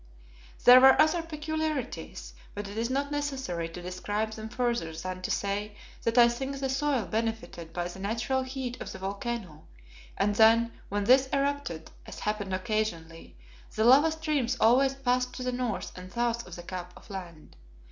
There were other peculiarities, but it is not necessary to describe them further than to say that I think the soil benefited by the natural heat of the volcano, and that when this erupted, as happened occasionally, the lava streams always passed to the north and south of the cup of land.